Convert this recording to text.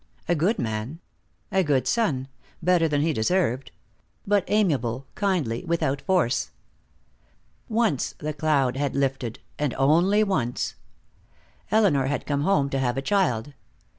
A good man. A good son, better than he deserved. But amiable, kindly, without force. Once the cloud had lifted, and only once. Elinor had come home to have a child.